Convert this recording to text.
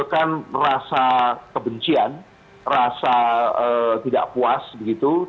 kan rasa kebencian rasa tidak puas begitu